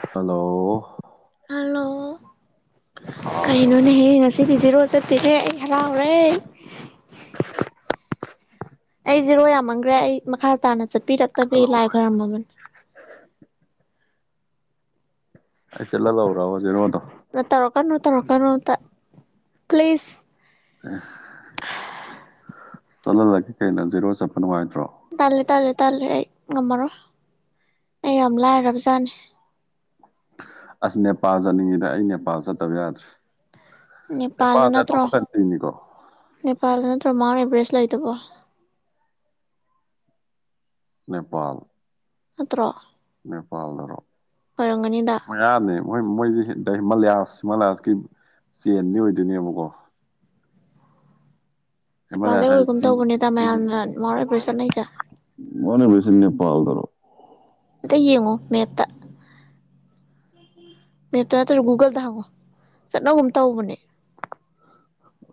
hello hello ꯍꯥꯎ ꯀꯩꯅꯣꯅꯦꯍꯦ ꯉꯁꯤꯗꯤ ꯖꯤꯔꯣ ꯆꯠꯇꯁꯦ ꯑꯩ ꯍꯔꯥꯎ ꯍꯦ [inaudible] ꯑꯩꯁꯤꯔꯣ ꯌꯥꯝꯃꯝꯈ꯭ꯔꯦ ꯑꯩ ꯃꯈꯥ ꯇꯥꯅ ꯆꯠꯄꯤꯔꯛꯇꯕꯤ ꯆꯠꯍꯧ ꯂꯥꯏ ꯈꯣꯏꯔꯝꯃꯕꯅꯤ [inaudible] ꯑꯩ ꯆꯠꯂ꯭ꯔꯥꯋꯥꯖꯦꯣꯗ ꯅ ꯇꯧꯔꯣꯀꯅꯣ ꯇꯧꯔꯣꯀꯅ ꯄ꯭ꯂꯤꯁ ꯑꯦ ꯆꯂ ꯂ ꯀꯩꯅꯖꯖꯤꯔꯣ ꯁꯄꯅꯨ ꯍꯥꯏ ꯇꯥꯜꯂꯦ ꯇꯥꯜꯂꯦ ꯇꯥꯜꯂꯦ ꯑꯩ ꯉꯝꯃꯔꯣꯏ ꯅ ꯌꯥꯝ ꯂꯥꯏꯔꯕꯖꯥꯠꯅꯤ ꯑꯁ ꯅꯦꯄꯥꯜ ꯆꯠꯅꯤꯡꯉꯤꯗ ꯑꯩ ꯅꯦꯄꯥꯜ ꯆꯠꯇꯕ ꯌꯥꯗ꯭ꯔꯦ ꯅꯦꯄꯥꯜꯗ ꯅꯦꯄꯥꯜꯁꯦ ꯅꯠꯇ꯭ꯔꯣ ꯑꯇꯣꯞꯄ ꯀꯟꯇ꯭ꯔꯤꯅꯤꯀꯣ ꯅꯦꯄꯥꯜꯗ ꯅꯠꯇ꯭ꯔꯣ ꯃꯥ ꯂꯥꯏ ꯇꯧꯕꯣ ꯅꯦꯄꯥꯜ ꯑꯠꯇ꯭ꯔꯣ ꯅꯦꯄꯥꯜꯗꯔꯣ ꯌꯥꯔꯅꯤ ꯃꯣꯏ ꯃꯣꯏꯁꯤꯦ ꯃꯂꯌꯥꯁ ꯃꯥꯂꯌꯥꯁꯀꯤ ꯆꯦꯟꯅꯤ ꯑꯣꯏꯗꯣꯏꯅꯦꯕꯀꯣ ꯅꯦꯄꯥꯜꯗꯩ ꯍꯦꯃꯦꯁ ꯑꯣꯏꯒꯨꯝ ꯇꯧꯕꯅꯤꯗ ꯃꯌꯥꯝꯅ ꯃꯥꯎꯟ ꯑꯦꯚꯔꯦꯁ ꯆꯠꯅꯩꯁꯦ ꯃꯅꯦꯁ ꯐꯜ ꯇꯔꯛ ꯑꯝꯇ ꯌꯦꯡꯉꯣ ꯃꯦꯞꯇ ꯃꯦꯞꯇ ꯅꯠꯇ꯭ꯔꯒ ꯒꯨꯒꯜꯗ ꯍꯪꯉꯣ ꯆꯠꯅꯒꯨꯝ ꯇꯧꯕꯅꯦ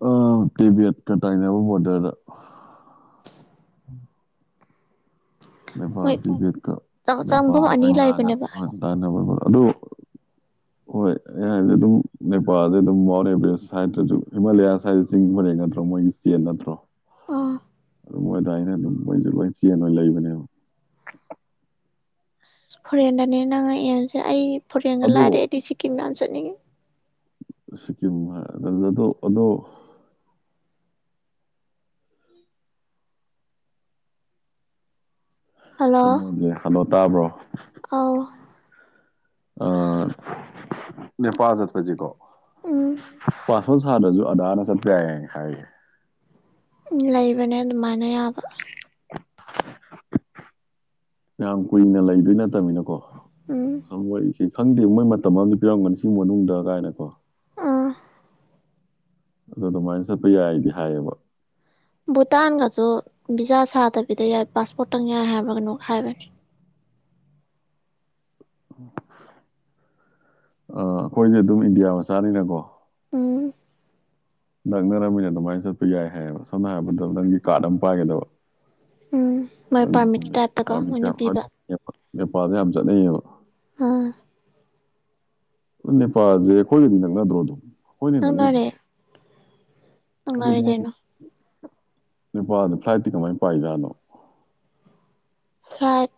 ꯑ ꯇꯦꯕꯤꯠ ꯀꯗꯥꯥꯏꯅꯕ ꯕꯗꯔꯗ ꯎꯝ ꯅꯦꯄꯥꯜ ꯃꯣꯏ ꯆꯕꯦꯠꯀ ꯆꯪꯐꯝ ꯅꯦꯄꯥꯜꯒ ꯑꯅꯤ ꯆꯅꯥꯒ ꯂꯩꯕꯅꯦꯕ ꯇꯥꯅꯕꯕ ꯑꯗꯨꯗꯣ ꯍꯣꯏ ꯑꯩ ꯍꯥꯏꯁꯦ ꯑꯗꯨꯝ ꯅꯦꯄꯥꯜꯁꯦ ꯑꯗꯨꯝ ꯃ ꯑꯦꯕ ꯁꯥꯏꯗꯁꯨ ꯍꯤꯃꯥꯂꯌꯥ ꯁꯥꯏ ꯆꯤꯡꯕꯅꯦ ꯅꯠꯇ꯭ꯔꯣ ꯃꯣꯏꯒꯤ ꯆꯦꯟ ꯅꯠꯇ꯭ꯔꯣ ꯑꯥ ꯑꯗꯨ ꯃꯣꯏꯗ ꯑꯩꯅ ꯑꯗꯨꯝ ꯃꯣꯏꯁꯨ ꯂꯣꯏ ꯆꯦꯟ ꯑꯣꯏꯅ ꯂꯩꯕꯅꯦꯕ ꯐꯣꯔꯦꯟꯗꯅꯦ ꯅꯪꯅ ꯌꯦꯦꯝꯁꯦ ꯑꯩ ꯐꯣꯔꯦꯟꯒ ꯂꯥꯏꯔꯦ ꯑꯗꯣ ꯑꯩꯗꯤ ꯁꯤꯀꯤꯝ ꯌꯥꯝ ꯆꯠꯅꯤꯡꯉꯤ ꯁꯤꯀꯤꯝ ꯑꯗꯨꯣ ꯑꯗꯣ ꯍꯜꯂꯣ ꯀꯩꯅꯣꯁꯦ ꯍꯜꯂꯣ ꯇꯥꯕ꯭ꯔꯣ ꯑ ꯑ ꯅꯦꯄꯥꯜ ꯆꯠꯄꯁꯤꯀꯣ ꯎꯝ ꯄꯥꯁꯄꯣꯠ ꯁꯥꯗ꯭ꯔꯁꯨ ꯑꯗꯥꯅ ꯆꯠꯄ ꯌꯥꯏ ꯍꯥꯏꯌꯦꯦ ꯎ ꯂꯩꯕꯅꯦ ꯑꯗꯨꯃꯥꯏꯅ ꯌꯥꯕ ꯌꯥꯝ ꯀꯨꯏꯅ ꯂꯩꯗꯣꯏ ꯅꯠꯇ ꯠꯇꯃꯤꯅꯀꯣ ꯎꯝ ꯈꯪꯕꯣꯏ ꯈꯪꯗꯦ ꯃꯣꯏ ꯃꯇꯝ ꯑꯨ ꯄꯤꯔꯝꯒꯅꯤ ꯁꯤꯒꯤ ꯃꯅꯨꯡꯗ ꯀꯥꯏꯅꯀꯣ ꯑꯥ ꯑꯗꯨ ꯑꯗꯨꯃꯥꯏꯅ ꯆꯠꯄ ꯌꯥꯏꯗꯤ ꯍꯥꯏꯌꯦꯕ ꯚꯨꯇꯥꯟꯒꯁꯨ ꯚꯤꯖꯥ ꯁꯥꯗꯕꯤꯗ ꯌꯥꯏ ꯄꯥꯁꯄꯣꯔꯠꯇꯪ ꯌꯥꯏ ꯍꯥꯏꯔꯒꯅꯨ ꯍꯥꯏꯕꯅꯤ ꯑ ꯑꯩꯈꯣꯏꯁꯦ ꯑꯗꯨꯝ ꯏꯟꯗꯤꯌꯥ ꯃꯆꯥꯅꯤꯅꯀꯣ ꯎꯝ ꯅꯛꯅꯔꯝꯃꯤꯅ ꯑꯗꯨꯃꯥꯏꯅ ꯆꯠꯄ ꯌꯥꯏ ꯍꯥꯏꯌꯦꯕ ꯁꯣꯝꯅ ꯍꯥꯏꯔꯕꯗ ꯅꯪꯒꯤ ꯀꯥꯔꯗ ꯑꯃ ꯄꯥꯏꯒꯗꯕ ꯎꯝ ꯃꯣꯏ ꯄꯥꯔꯃꯤꯠꯀꯤ ꯇꯥꯏꯞꯇꯀꯣ ꯃꯣꯏꯅ ꯄꯤꯕ ꯪꯨꯝꯕ ꯅꯦꯄꯥꯜꯗ ꯌꯥꯝ ꯆꯠꯅꯩꯌꯦꯕ ꯑꯥ ꯅꯦꯄꯥꯜꯁꯦ ꯑꯩꯈꯣꯏꯒꯗꯤ ꯅꯛꯅꯗ꯭ꯔꯣ ꯑꯗꯨꯝ ꯑꯩꯈꯣꯏꯅ ꯅꯪꯅꯩ ꯅꯠꯇ꯭ꯔꯣ ꯅꯨꯡꯉꯥꯏꯔꯦ ꯀꯥꯏꯩꯅꯣ ꯄꯥ ꯑꯗꯨ ꯄꯥꯔꯇꯤꯀ ꯃꯥ ꯄꯥꯏꯖ ꯑꯗꯨꯣ ꯁꯥꯗ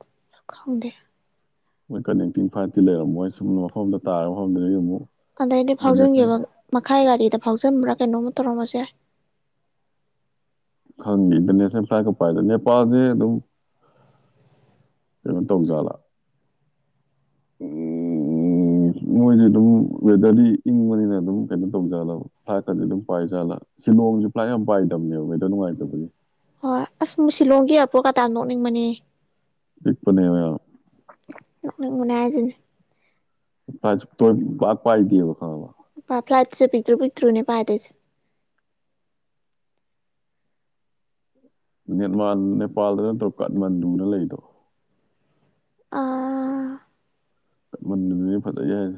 ꯃꯣꯏ ꯀꯅꯦꯛꯇꯤꯡ ꯐꯥꯏꯚꯇꯤ ꯂꯩꯔꯝ ꯃꯣꯏ ꯁꯨꯝꯅ ꯃꯐꯝꯗ ꯇꯥꯔ ꯃꯐꯝꯗꯗꯒꯤ ꯑꯃꯨꯛ ꯑꯗꯩꯗꯤ ꯏꯟꯇꯔꯅꯦꯁꯅꯦꯜ ꯐꯥꯎꯖꯤꯟꯒꯦꯕ ꯃꯈꯥꯏ ꯒꯥꯔꯤꯗ ꯐꯥꯎꯖꯟꯕ꯭ꯔꯥ ꯀꯩꯅꯣꯝ ꯇꯔꯃꯁꯦ ꯈꯪꯉꯦ ꯏꯟꯇꯔꯅꯦꯁꯅꯦꯜ ꯐ꯭ꯂꯥꯏꯠꯀꯄꯥꯏꯗꯅ ꯅꯦꯄꯥꯜꯁꯦ ꯑꯗꯨꯝ ꯀꯃ ꯇꯣꯡꯖꯂ ꯑꯣ [inaudible] ꯃꯣꯏꯁꯦ ꯑꯗꯨꯝ ꯋꯦꯗꯔꯗꯤ ꯏꯪꯕꯅꯤꯅ ꯑꯗꯨꯝ ꯀꯩꯅꯣ ꯇꯧꯖꯥꯜꯂꯕ ꯊꯥꯛꯀꯗꯤ ꯑꯗꯨꯝ ꯄꯥꯏꯖꯥꯜꯂ ꯁꯤꯂꯣꯡ [unintelligible] ꯄꯨ꯭ꯂꯥ ꯌꯥꯝ ꯄꯥꯏꯗꯕꯅꯦꯕ ꯃꯗꯣ ꯅꯨꯡꯉꯥꯏꯇꯕꯒꯤ ꯍꯣꯏ ꯑꯁꯨ ꯁꯤꯂꯣꯡꯒꯤ ꯑꯔꯄ꯭ꯔꯣ ꯀꯇꯥ ꯅꯣꯛꯅꯤꯡꯕꯅꯦ ꯏꯄꯅꯦꯕ ꯃꯅꯥꯖ ꯐ ꯇ ꯄꯥꯛ ꯄꯗꯕ ꯈꯥ ꯐ꯭ꯂꯥꯏꯠꯁ ꯄꯤꯛꯇ꯭ꯔꯨ ꯄꯤꯛꯇ꯭ꯔꯨꯅꯦ ꯄꯥ ꯇ ꯅꯦꯠꯃꯥꯟ ꯅꯦꯄꯥꯜꯗ ꯅꯠꯇ꯭ꯔꯣ ꯀꯥꯠꯃꯟꯗꯨꯅ ꯂꯩꯗꯣ ꯑꯥ ꯃ ꯐꯠꯇ ꯌꯥꯏ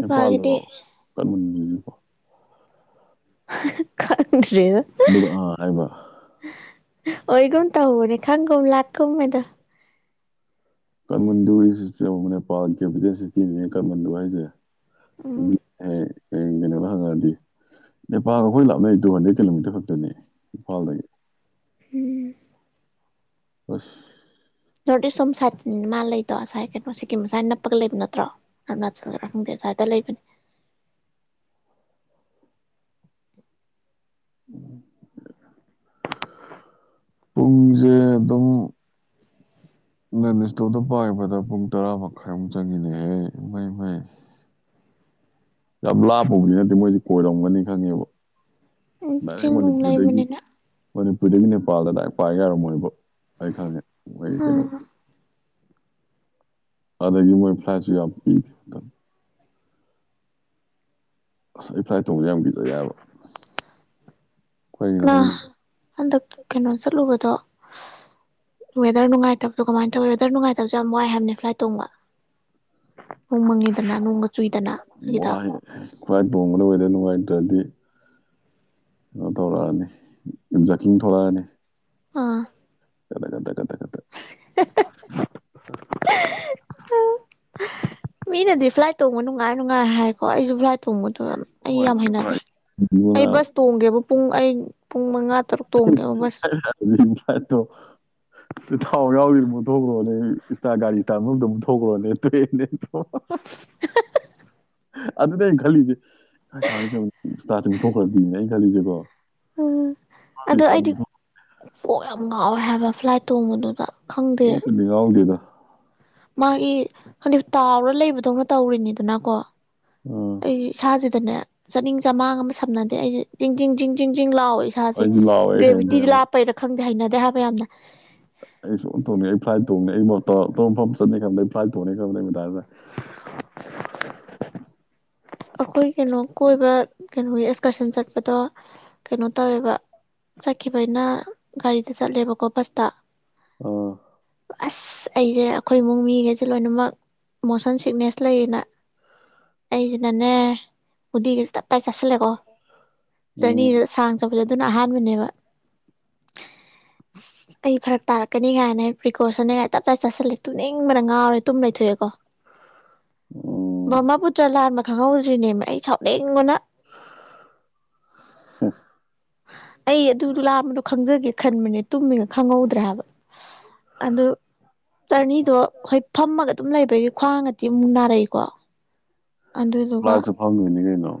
ꯍꯄꯥꯜꯂ ꯀ ꯀꯔꯤ ꯑꯥ ꯍꯥꯏꯃ ꯑꯣꯏꯒꯨꯝꯨꯝ ꯇ ꯍꯕꯅꯦ ꯈꯪꯒ ꯂꯥꯛꯀ ꯃꯗ ꯀꯥꯃꯟꯗꯨꯒꯤ ꯁꯤꯁꯇꯦꯝ ꯑꯃ ꯅꯦꯄꯥꯜ ꯀꯦꯗ ꯁꯤꯇꯤꯅꯦ ꯀꯥꯃꯟꯗꯨ ꯍꯥꯏꯁꯦ ꯎꯝ ꯩꯅꯕꯉꯗꯤ ꯅꯦꯄꯥꯜꯒ ꯑꯩꯈꯣꯏ ꯂꯥꯞꯅꯩ ꯇꯨ ꯍꯟꯗꯦ ꯀꯤꯂꯣꯃꯤꯇꯔ ꯈꯛꯇꯅꯤ ꯏꯝꯐꯥꯜꯗꯒꯤ ꯍꯝ ꯑꯁ ꯄꯔꯗ ꯁꯣꯝ ꯁꯥꯏꯠꯇꯅꯤꯅ ꯃꯥ ꯂꯩꯗꯣ ꯑ ꯉꯁꯥꯏ ꯀꯩꯅꯣ ꯁꯤꯀꯤꯝ ꯁꯁꯥꯏ ꯅꯞꯄꯒ ꯂꯩꯕ ꯅꯠꯇ꯭ꯔꯣ ꯑꯔꯨꯅꯥꯆꯜ ꯈꯔ ꯈꯪꯗꯦ ꯁꯁꯋꯥꯏꯗ ꯂꯩꯕꯅꯤ [inaudible] ꯎꯝ ꯄꯨꯡꯁꯦ ꯑꯦ ꯑꯗꯨꯝ [inaudible] ꯅꯪ ꯏꯁꯇꯣꯔꯗ ꯄꯥꯕꯗ ꯄꯨꯡ ꯇꯔꯥ ꯃꯈꯥꯏꯃꯨꯛ ꯆꯪꯉꯤꯅꯦꯍꯦ ꯃꯩ ꯃꯩ ꯌꯥꯝ ꯂꯥꯞꯄꯕꯨꯗꯤ ꯅꯠꯇꯦ ꯃꯣꯏꯗꯤ ꯀꯣꯏꯔꯝꯒꯅꯤ ꯈꯪꯉꯦꯕ ꯎꯝ ꯔ ꯆꯤꯡ ꯅꯨꯡ ꯃꯅꯤꯗꯒ ꯂꯩꯕꯅꯤꯅ ꯃꯅꯤꯄꯨꯔꯗꯒꯤ ꯅꯦꯄꯥꯜꯗ ꯂꯗꯥꯏ ꯄꯥꯏꯒ ꯌꯥꯔꯝꯃꯣꯏꯕ ꯑꯩ ꯈꯪꯉꯦ ꯃꯣꯏꯒꯤ ꯀꯩꯅꯣ ꯑꯥ ꯑꯗ ꯃ ꯐ꯭ꯂꯁꯤ ꯑꯁ ꯏꯐ ꯏꯊꯣꯡꯁ ꯌꯥꯝ ꯄꯤꯖ ꯌꯥꯕ ꯑ ꯍꯟꯗꯛ ꯀꯩꯅꯣ ꯆꯠꯂꯨꯕꯗꯣ ꯋꯦꯗꯔ ꯅꯨꯡꯉꯥꯏꯇꯕꯗꯣ ꯀꯃꯥꯏꯅ ꯇꯧꯏꯤ ꯋꯦꯗꯔ ꯅꯨꯡꯉꯥꯏꯇꯕꯁꯨ ꯌꯥꯝ ꯋꯥꯏ ꯍꯥꯏꯕꯅꯦ ꯐ꯭ꯂꯥꯏꯠ ꯇꯣꯡꯕ ꯅꯣꯡ ꯃꯪꯉꯤꯗꯅ ꯅꯣꯡꯒ ꯆꯨꯏꯗꯅ ꯑꯗꯨꯒꯤꯗꯣ ꯋꯥ ꯈ꯭ꯋꯥꯏ ꯄꯣꯕꯗ ꯑꯣꯏꯗ ꯅꯨꯡꯉꯥꯏꯇ꯭ꯔꯗꯤ ꯀꯩꯅꯣ ꯊꯧꯔꯛꯑꯅꯤꯖꯀꯤꯡ ꯊꯂꯛꯑꯅꯤ ꯑꯥ ꯠꯇꯠꯇꯠꯇ ꯃꯤꯅꯗꯤ ꯐ꯭ꯂꯥꯏꯠ ꯇꯣꯡꯕ ꯅꯨꯡꯉꯥꯏ ꯅꯨꯡꯉꯥꯏ ꯍꯥꯏ ꯍꯣꯏ ꯑꯩꯁꯨ ꯐ꯭ꯂꯥꯏꯠ ꯇꯣꯡꯕꯗꯣ ꯑꯩ ꯌꯥꯝ ꯍꯩꯅꯗꯦ ꯅꯨꯡꯉꯥꯏꯇꯦ ꯑꯩ ꯕꯁ ꯅꯨꯡꯉꯥꯏꯇꯦ ꯇꯣꯡꯒꯦꯕ ꯄꯨꯡ ꯑꯩ ꯄꯨꯡ ꯃꯉꯥ ꯇꯔꯨꯛ ꯇꯣꯡꯒꯦꯕ ꯕꯁ [inaudible] ꯊꯥꯎ ꯌꯥꯎꯗ ꯑꯃꯨꯛ ꯊꯣꯛꯈ꯭ꯔꯣꯅꯦ ꯏꯁꯇꯥ ꯒꯥꯔꯤ ꯇꯥꯟꯅꯕꯗ ꯑꯃꯨꯛ ꯊꯣꯛꯂ꯭ꯔꯣꯅꯦ ꯇ꯭ꯔꯦꯟꯅꯦ ꯍ ꯑ ꯑꯗꯨ ꯈꯜꯂꯤꯁ ꯀꯃꯥꯏꯇꯥꯦ ꯃꯨꯊꯣꯛꯈ꯭ꯔꯗꯤꯅꯦ ꯑꯩꯅ ꯈꯜꯂꯤꯁꯦꯀꯣ ꯎ ꯊꯦ ꯆꯔ ꯊ ꯑꯣ ꯌꯥꯝ ꯉꯥꯎꯋꯦ ꯍꯥꯏꯕ ꯐ꯭ꯂꯥꯏꯠ ꯇꯣꯡꯕꯗꯨꯗ ꯈꯪꯗꯦ ꯑꯣ ꯀꯅꯤ ꯉꯎꯒꯤꯗ ꯃꯥꯒꯤ ꯀ ꯇꯥꯎꯔ ꯂꯩꯕꯗꯧꯅ ꯇꯧꯔꯤꯅꯤꯗꯅꯀꯣ ꯑꯥ ꯑꯩꯁꯦ ꯏꯁꯥꯁꯤꯗꯅꯦ ꯆꯥꯅꯤꯡ ꯆꯃꯥꯡ ꯑꯃ ꯁꯝꯅꯗꯦ ꯑꯩꯁꯦ ꯆꯤꯡ ꯤꯡ ꯤꯡ ꯤꯡ ꯤꯡ ꯂꯥꯎ ꯏꯁꯥꯁꯦ ꯑꯩꯁꯨ ꯂꯥꯎꯋꯦ ꯑꯩ ꯍꯌꯦꯡꯗꯩ ꯒ꯭ꯔꯦꯕꯤꯇꯤꯗꯤ ꯑꯃꯨꯛ ꯂꯥꯞꯄꯩꯔ ꯈꯪꯗꯦ ꯍꯩꯅꯗꯦ ꯍꯥꯏꯕ ꯌꯥꯝꯅ ꯑꯩꯁꯨ ꯇꯣꯡꯅꯤꯡ ꯑꯩ ꯐ꯭ꯂꯥꯏꯠ ꯊꯣꯡꯅꯤꯡꯅꯤ ꯑꯩ ꯃꯐꯝ ꯆꯠꯅꯤ ꯈꯪꯗ ꯑꯩ ꯐ꯭ꯂꯥꯏꯠ ꯊꯣꯡꯅꯤ ꯈꯪꯕꯗ ꯑꯩ ꯃꯗꯥꯁꯦ [inaudible] [unintelligible] ꯑꯩꯈꯣꯏ ꯀꯩꯅꯣ ꯀꯣꯏꯕ ꯀꯩꯅꯣꯒꯤ ꯑꯦꯛꯁꯀꯔꯁꯟ ꯆꯠꯄꯗꯣ ꯀꯩꯅꯣ ꯇꯧꯋꯦꯕ ꯆꯠꯈꯤꯕꯅꯤꯅ ꯒꯥꯔꯤꯗ ꯆꯠꯂꯦꯕꯀꯣ ꯕꯁꯇ ꯑꯣ ꯑꯁ ꯑꯩꯁꯦ ꯑꯩꯈꯣꯏ ꯏꯃꯨꯡ ꯃꯤꯒꯩꯁꯦ ꯂꯣꯏꯅꯃꯛ ꯃꯣꯁꯟ ꯁꯤꯛꯅꯦꯁ ꯂꯩꯌꯦꯅ ꯑꯩꯁꯤ ꯅꯅꯦ ꯍꯗꯤꯒ ꯇ ꯀꯥꯏ ꯆꯥꯁꯤꯜꯂꯦꯀꯣ ꯖꯔꯅꯤꯗ ꯎꯝ ꯁꯥꯡꯅ ꯆꯠꯄꯁꯦ ꯑꯗꯨꯅ ꯑꯍꯥꯟꯕꯅꯦꯕ ꯑꯁ ꯑꯩ ꯐꯔꯛ ꯇꯥꯔꯛꯀꯅꯤ ꯀꯥꯏꯅꯦ ꯄ꯭ꯔꯤꯀꯣꯁꯟꯅꯉꯥꯏ ꯇꯞ ꯆꯥꯏ ꯆꯥꯁꯤꯜꯂꯦ ꯇꯨꯅꯤꯡꯕꯅ ꯉꯥꯎꯔꯦ ꯇꯨꯝ ꯂꯩꯊꯣꯛꯑꯦꯀꯣ ꯎꯝ ꯃꯕꯃꯥ ꯄꯨꯇ꯭ꯔ ꯂꯥꯟꯕ ꯈꯪꯍꯧꯗ꯭ꯔꯤꯅꯦꯕ ꯑꯩ ꯁꯥꯎꯂꯦꯡꯕꯅ ꯍꯝ ꯑꯩ ꯑꯗꯨꯗ ꯂꯥꯛꯝꯕꯗꯣ ꯈꯪꯖꯒꯦ ꯈꯟꯕꯅꯦ ꯇꯨꯝꯃꯤꯅ ꯈꯪꯍꯧꯗ꯭ꯔꯦ ꯍꯥꯏꯕ ꯑꯗꯨ ꯆꯔꯅꯤꯗꯣ ꯍꯈꯣꯏ ꯐꯝꯃꯒ ꯑꯗꯨꯝ ꯂꯩꯕꯒꯤ ꯈ꯭ꯋꯥꯡ ꯉꯇꯤ ꯑꯃꯨꯛ ꯅꯥꯔꯛꯏꯀꯣ ꯑꯗꯨꯗꯨꯒ ꯐ꯭ꯂꯥꯏꯠꯁꯨ ꯐꯪꯗꯣꯏꯅꯤ ꯀꯩꯅꯣ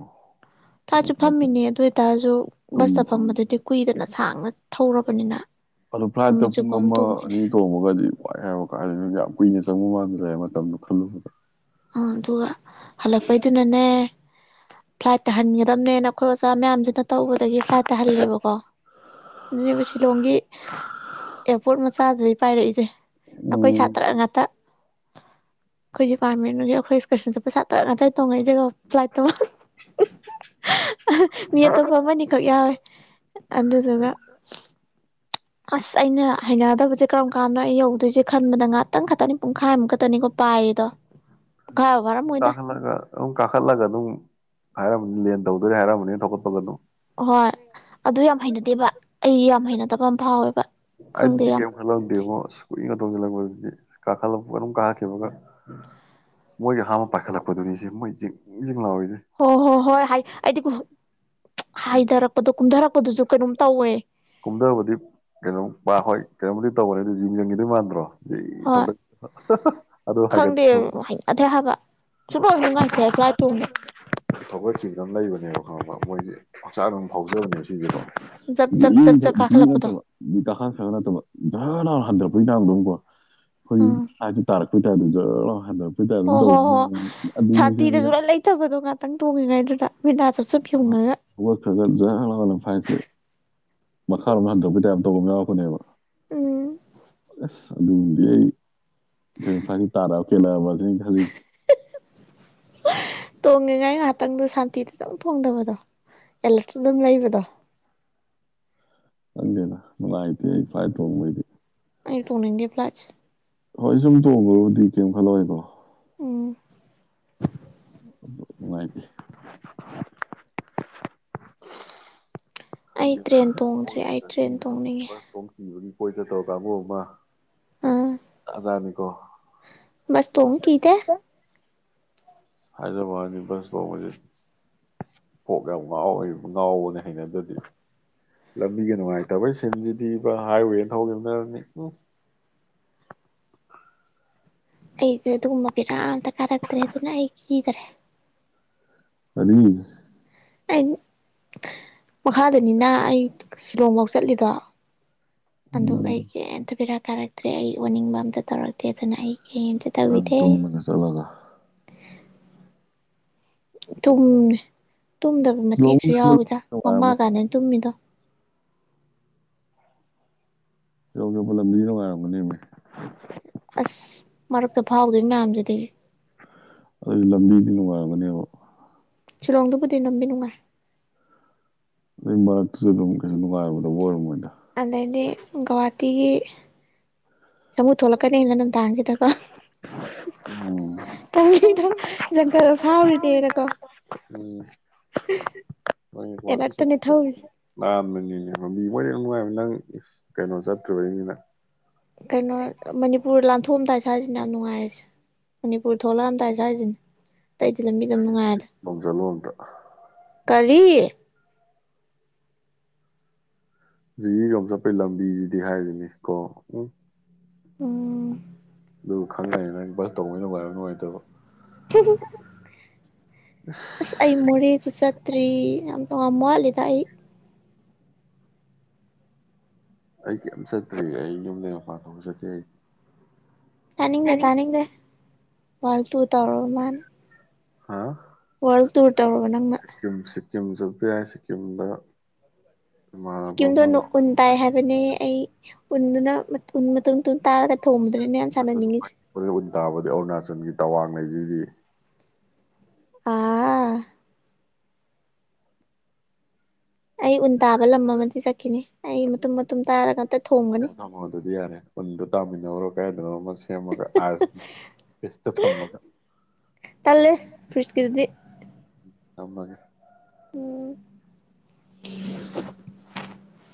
ꯅꯪ ꯇꯥꯁꯨ ꯐ꯭ꯂꯥꯏꯠꯁꯦ ꯐꯝꯃꯤꯅꯦ ꯑꯗꯨ ꯑꯣꯏꯇꯥꯔꯁꯨ ꯕꯁꯇ ꯇꯨꯝꯕ꯭ꯔꯣ ꯐꯝꯕꯗꯨꯗꯤ ꯀꯨꯏꯗꯅ ꯁꯥꯡꯅ ꯊꯧꯔꯕꯅꯤꯅ ꯑꯗꯣ ꯐ꯭ꯂꯥꯏꯠꯇ ꯅꯨꯃꯤꯠ ꯄꯨꯡ ꯆꯨꯞꯄ ꯑꯃ ꯇꯣꯡꯉꯤꯅꯦ ꯑꯅꯤ ꯇꯣꯡꯃꯒꯗꯤ ꯋꯥꯏ ꯍꯥꯏꯕ ꯀꯥꯟꯗ ꯌꯥꯝ ꯀꯨꯏꯅ ꯆꯪꯕ ꯃꯜꯗ ꯃ ꯇꯝꯅ ꯈꯜꯂꯨ ꯑ ꯑꯗꯨꯒ ꯍꯜꯂꯛꯄꯩꯗꯨꯅꯅꯦ ꯐ꯭ꯂꯥꯏꯠ ꯇꯥꯍꯟꯒꯗꯕꯅꯦꯅ ꯑꯩꯈꯣꯏ ꯑꯣꯖꯥ ꯃꯌꯥꯝꯁꯤꯅ ꯇꯧꯕꯗꯒꯤ ꯐ꯭ꯂꯥꯏꯠ ꯇꯥꯍꯜꯂꯦꯕꯀꯣ ꯑꯗꯨꯅꯦꯕ ꯁꯤꯂꯣꯡꯒꯤ ꯑꯦꯌꯥꯔꯄꯣꯔꯠ ꯃꯆꯥꯗꯤ ꯄꯥꯏꯔꯛꯏꯁꯦ ꯑꯩꯈꯣꯏ ꯎꯝ ꯁꯥꯇ꯭ꯔ ꯉꯥꯛꯇ ꯑꯩꯈꯣꯏꯖꯤ ꯄꯄꯥꯥꯔꯃꯦꯟꯗꯨꯒꯤ ꯑꯩꯈꯣꯏ ꯏꯁꯀꯔꯁꯟꯁꯦ ꯄꯩꯁꯥ ꯇꯔꯛ ꯉꯇꯇꯩ ꯇꯣꯡꯉꯛꯏꯁꯦꯀꯣ ꯐ꯭ꯂꯥꯏꯠꯇꯣ ꯃꯤ ꯑꯇꯣꯞꯄ ꯑꯃꯅꯤꯈꯛ ꯌꯥꯎꯋꯦ ꯑꯗꯨꯗꯨꯒ ꯑꯁ ꯑꯩꯅ ꯍꯩꯅꯗꯕꯁꯦ ꯀꯔꯝ ꯀꯥꯟꯗꯣ ꯑꯩ ꯌꯧꯗꯣꯏꯁꯦ ꯈꯟꯕꯗ ꯉꯥꯛꯇꯪ ꯈꯛꯇꯅꯤ ꯄꯨꯡꯈꯥꯏꯃꯨꯛ ꯈꯛꯇꯅꯤꯀꯣ ꯄꯔꯗ ꯑꯗꯨꯝ ꯀꯥꯈꯠꯂꯒ ꯑꯗꯨꯝ ꯀꯥꯈꯠꯂꯒ ꯑꯗꯨꯝ ꯍꯥꯏꯔꯝꯝꯕꯅꯤ ꯂꯦꯟ ꯇꯧꯗꯣꯏꯔ ꯍꯥꯏꯔꯝꯕꯅꯤꯅ ꯊꯀꯠꯄꯒ ꯑꯗꯨꯝ ꯍꯣꯏ ꯑꯗꯨ ꯌꯥꯝ ꯍꯩꯅꯗꯦꯕ ꯑꯩ ꯌꯥꯝ ꯍꯩꯅꯗꯕ ꯑꯃ ꯐꯥꯎꯋꯦꯕ ꯈꯪꯗꯦ ꯑꯗꯤ ꯀꯦ ꯌꯥꯝ ꯈꯜꯂꯂꯝꯃꯣ ꯄꯒ ꯇꯧꯁꯤꯜꯂꯛꯄꯁꯤꯗꯤ ꯀꯥꯈꯠꯂꯛꯄ ꯑꯗꯨꯝ ꯀꯥꯔꯛꯈꯤꯕꯒ ꯃꯣꯏꯒꯤ ꯑꯍꯥꯟꯕ ꯄꯥꯏꯈꯠꯂꯛꯄꯗꯨꯅꯤ ꯁꯤꯦ ꯃꯣꯏ ꯖꯤꯡ ꯖꯤꯡ ꯂꯥꯎꯏ ꯍꯣ ꯍꯣ ꯍꯣꯏ ꯍꯥꯏ ꯑꯩꯗꯤ ꯍꯥꯏꯊꯔꯛꯄꯗꯣ ꯀꯨꯝꯊꯔꯛꯄꯗꯨꯁꯨ ꯀꯩꯅꯣꯝ ꯇꯧꯋꯦ ꯀꯨꯝꯊꯕꯗꯤ ꯀꯩꯅꯣꯝ ꯄꯥ ꯍꯣꯏ ꯀꯩꯅꯣꯝꯃꯗꯤ ꯇꯧꯕꯅꯤ ꯑꯗꯨ ꯌꯦꯡꯖꯟꯈꯤꯗꯣꯏ ꯃꯥꯟꯗ꯭ꯔꯣ ꯍꯣꯏ ꯊꯝꯗ ꯑꯗꯨꯗ ꯍꯥꯏꯦ ꯈꯪꯗꯦ ꯑꯗꯨ ꯍꯩꯅꯗꯦ ꯍꯥꯏꯕ ꯁꯨꯡꯂꯣꯏ ꯅꯨꯡꯉꯥꯏꯇꯦ ꯐ꯭ꯂꯥꯏ ꯇꯣꯡꯕ ꯊꯧꯒꯠꯁꯤ ꯈꯤꯗꯪ ꯂꯩꯕꯅꯦꯕ ꯈꯪꯉ ꯃꯣꯏꯒꯤ ꯍꯛꯆꯥꯡ ꯑꯗꯨꯝ ꯐꯥꯎꯖꯕꯅꯦꯕ ꯁꯤꯁꯤꯗꯣ ꯖꯛ ꯖꯛ ꯖꯛ ꯖꯛ ꯏ ꯀꯥꯈꯠꯂꯛꯄꯗꯣ ꯅꯠꯇꯕ ꯀꯥꯈꯥ ꯈꯔ ꯈ ꯅꯠꯇꯕ ꯙꯔ ꯅꯥꯔ ꯍꯟꯊꯔꯛꯄꯒꯤ ꯆꯥꯡꯗꯣꯝꯀꯣ ꯑꯩꯈꯣꯏ ꯎꯝ ꯑꯁꯦ ꯇꯥꯔꯛꯄꯩꯇꯥꯗꯨ ꯖ ꯍꯟꯊꯕ ꯐꯠꯇ ꯑꯗꯨꯝ ꯍꯣ ꯍꯣ ꯇꯧꯕ ꯍꯣ ꯑꯗꯨꯅꯤꯁ ꯁꯥꯟꯇꯤꯗ ꯑꯩꯅ ꯁꯨꯡꯂꯩ ꯂꯩꯇꯕꯗꯣ ꯉꯥꯛꯇꯪ ꯇꯣꯡꯉꯤꯉꯩꯗꯨꯗ ꯃꯤꯅꯥ ꯆꯞꯆꯞ ꯐ ꯌꯨꯡꯉꯒ ꯐꯠ ꯖꯍ ꯋꯥꯅ ꯐꯥꯏꯁ ꯃꯈꯥꯔꯣꯝꯗ ꯍꯟꯗꯣꯛꯄꯤ ꯇꯥꯏ ꯑ ꯇꯧꯕ ꯌꯥꯎꯔꯛꯄꯅꯦꯕ ꯎꯝ ꯑꯁ ꯁꯂꯗꯤꯏ ꯐꯁꯤ ꯇꯔꯥ ꯀꯂꯁ ꯈꯖꯤ ꯇꯣꯡꯉꯦꯉꯥꯏ ꯉꯥꯏꯍꯥꯛꯇꯪꯗꯣ ꯁꯥꯟꯇꯤꯗ ꯐꯪꯗꯕꯗꯣ ꯑꯦꯂ ꯑꯗꯨꯝ ꯂꯩꯩꯕꯗꯣ [unintelligible] ꯍꯪꯦꯅ ꯃꯅꯥꯥꯏꯇ ꯐ꯭ꯂꯥꯏ ꯇꯣꯡꯕꯣꯏꯗꯤ ꯑꯩ ꯇꯣꯡꯅꯤꯡꯗꯤꯦ ꯄ꯭ꯂꯥꯁ ꯍꯣꯏ ꯁꯨꯝ ꯇꯣꯡꯕꯕꯨꯗꯤ ꯀꯩꯝ ꯈꯜꯂꯣꯏꯕꯣ ꯎ ꯃꯥꯥꯏ ꯑꯩ ꯈꯪꯗꯅ ꯇ꯭ꯔꯦꯟ ꯇꯣꯡꯗ꯭ꯔꯤ ꯑꯩ ꯇ꯭ꯔꯦꯟ ꯆꯠꯅꯤꯡꯉꯤꯕ ꯇꯣꯡꯅꯤꯡꯉꯦ ꯕꯁ ꯇꯣꯡ ꯀꯤꯕꯒꯤ ꯀꯣꯏ ꯆꯠꯇꯧꯕ ꯀꯥꯡꯕꯨ ꯑꯃ ꯖꯥꯠ ꯖꯥꯠꯅꯤꯀꯣ ꯃꯁ ꯇꯨꯡ ꯀꯗ [unintelligible] ꯍꯥꯏꯗ꯭ꯔꯕꯥꯗꯕꯁ ꯋꯥ ꯃꯖꯤꯦ ꯀꯣꯛ ꯌꯥꯝ ꯉꯥꯎꯋꯤ ꯉꯥꯎꯕꯅꯦ ꯍꯩꯅꯗꯗꯤ ꯂꯝꯕꯤꯒ ꯅꯨꯡꯉꯥꯏꯇꯕꯩ ꯁꯤꯟꯁꯤꯗꯤꯕ ꯍꯥꯏꯋꯦꯅ ꯊꯈꯤꯕꯈꯤꯕꯅꯅꯤ ꯎꯝ ꯑꯩꯗꯤ ꯑꯗꯨꯒꯨꯝꯕ ꯄꯤꯔꯥ ꯑꯝꯇ ꯀꯥꯔꯛꯇ꯭ꯔꯦ ꯑꯗꯨꯅ ꯑꯩ ꯀꯤꯗ꯭ꯔꯦ ꯑꯅꯤ ꯑ ꯃꯈꯥꯗꯅꯤꯅ ꯑꯩ ꯁꯨꯂꯣꯡꯐꯧ ꯆꯠꯂꯤꯗꯣ ꯑꯗꯨ ꯑꯩ ꯎꯝ ꯀꯝꯇꯕꯤꯔꯛ ꯀꯥꯔꯛꯇ꯭ꯔꯦ ꯑꯩ ꯑꯣꯅꯤꯡꯕ ꯑꯝꯇ ꯇꯧꯔꯛꯇꯦ ꯑꯗꯨꯅ ꯑꯩ ꯀꯩꯝꯇ ꯅꯪ ꯇꯧꯕꯤꯗꯦ ꯇꯨꯡꯗꯒ ꯆꯠꯂꯒ ꯇꯨꯝꯃꯦ ꯇꯨꯝꯗꯕ ꯂꯣꯡ ꯃꯇꯦꯛꯁꯨ ꯌꯥꯎꯋꯗ ꯃꯃꯥ ꯅꯨꯡꯉꯥꯏꯔꯝꯒꯅꯤ ꯀꯥꯟꯗ ꯇꯨꯝꯃꯤꯗꯣ ꯀꯧꯒꯦ ꯄ ꯂꯝꯃꯤ ꯂꯅꯨꯡꯉꯔꯒꯅꯤ ꯑꯁ ꯃꯔꯛꯇ ꯐꯥꯎꯗꯣꯏ ꯃꯌꯥꯝꯗꯨꯗꯤ ꯑꯗꯨꯁꯨ ꯂꯝꯕꯤꯗꯤ ꯅꯨꯡꯉꯥꯏꯔꯒꯅꯦꯕ ꯁꯤꯂꯣꯡꯗꯨꯕꯨꯗꯤ ꯅꯝꯕꯤ ꯅꯨꯡꯉꯥꯏ ꯑꯗꯨ ꯃꯔꯛꯇꯨꯁꯨ ꯑꯗꯨꯝ ꯀꯩꯁꯨ ꯅꯨꯡꯉꯥꯏꯔꯕꯗ ꯑꯣꯏꯔꯝꯃꯣꯏꯅꯤ ꯑꯗꯩꯗꯤ ꯒꯧꯍꯥꯇꯤꯒꯤ ꯆꯨꯛ ꯊꯣꯛꯂꯛꯀꯅꯤꯅ ꯅꯨꯡꯗꯥꯡꯁꯤꯗꯀꯣ ꯎꯝ ꯅꯪꯗꯣ ꯖꯪꯒꯔ ꯐꯥꯎꯔꯤꯗꯦꯅꯀꯣ ꯎꯝ ꯍꯣꯏ ꯒꯨꯍꯥꯇꯤ ꯆꯠ ꯑꯦꯂꯔꯠꯇꯅꯦ ꯊꯧꯔꯤꯁꯦ ꯌꯥꯝꯅꯅꯦ ꯃꯤ ꯃ ꯌꯥꯝ ꯅꯨꯡꯉꯥꯏꯕ ꯅꯪ ꯀꯩꯅꯣ ꯆꯠꯇ꯭ꯔꯨꯕꯩꯅꯤꯅ ꯀꯩꯅꯣ ꯃꯅꯤꯄꯨꯔ ꯂꯥꯟ ꯊꯊꯣꯛꯑꯝꯗꯥꯏ ꯁꯥ꯭ꯔꯤꯁꯤꯅ ꯌꯥꯝ ꯅꯨꯡꯉꯥꯏꯔꯁꯦ ꯃꯅꯤꯄꯨꯔ ꯊꯣꯛꯂꯛꯑꯝꯗꯥꯏ ꯁꯥ꯭ꯔꯤꯁꯤꯅꯦ ꯑꯇꯩꯗꯤ ꯂꯝꯕꯤꯗ ꯅꯨꯡꯉꯥꯏꯗ ꯂꯣꯝ ꯆꯠꯂꯣ ꯑꯝꯇ ꯀꯔꯤ ꯖꯤꯒ ꯆꯠꯄꯩ ꯂꯝꯕꯤꯁꯤꯗꯤ ꯍꯥꯏꯔꯤꯅꯤ ꯀꯣ ꯎꯝ ꯑꯣ ꯑꯗꯨ ꯈꯪꯉꯅꯤ ꯅꯪ ꯕꯁ ꯇꯧꯕꯅ ꯋꯥꯏꯔ ꯅꯨꯡꯉꯥꯏꯇꯕ ꯑꯁ ꯑꯩ ꯃꯣꯔꯦꯁꯨ ꯆꯠꯇ꯭ꯔꯤ ꯌꯥꯝ ꯇꯣꯉ ꯃꯠꯂ ꯑꯩ ꯑꯩ ꯀꯩꯝ ꯆꯠꯇ꯭ꯔꯤ ꯑꯩ ꯌꯨꯝꯗꯒꯤ ꯃꯄꯥꯟ ꯊꯣꯛ ꯆꯠꯀꯦ ꯑꯩꯁꯦ ꯇꯥꯅꯤꯡꯗꯦ ꯇꯥꯅꯤꯡꯗꯦ ꯋꯥꯔ ꯇꯨ ꯇꯧꯔꯣ ꯃꯥꯅꯦ ꯍꯥꯥ ꯅꯪꯅ ꯁꯤꯀꯤꯝ ꯁꯤꯀꯤꯝ ꯁꯊꯌꯥꯏ ꯁꯤꯀꯤꯝꯗ ꯏꯃꯥꯟꯅꯕ ꯁꯤꯀꯤꯝꯗꯣ ꯑꯃ ꯎꯟ ꯇꯥꯏ ꯍꯥꯏꯕꯅꯦ ꯑꯩ ꯎꯟꯗꯨꯅ ꯎꯟ ꯇꯥꯔꯒ ꯊꯣꯡꯕꯗꯨꯅꯤꯅꯦ ꯌꯥꯝ ꯅꯠꯇ ꯁꯥꯟꯅꯅꯤꯡꯉꯤꯁꯦ ꯇꯥꯕꯗꯤ ꯑꯔꯨꯅꯥꯆꯜꯒꯤ ꯇꯋꯥꯡ ꯂꯩꯁꯤꯗꯤ ꯑꯥ ꯑꯩ ꯎꯟ ꯇꯥꯕ ꯂꯝ ꯑꯃꯗꯤ ꯆꯠꯈꯤꯅꯤ ꯑꯩ ꯃꯇꯨꯝ ꯃꯇꯨꯝ ꯇꯥꯔꯒ ꯑꯝꯇ ꯊꯣꯡꯒꯅꯤ ꯊ ꯑꯗꯨꯗꯤ ꯌꯥꯔꯦ ꯑꯣꯟ ꯇꯥꯃꯅꯔꯣ ꯀꯥꯏꯗ꯭ꯔꯣ ꯦ ꯃ ꯑꯦꯁ ꯇꯥꯂꯦ ꯐꯔꯤꯁꯀꯤꯗꯤ ꯊꯃꯒ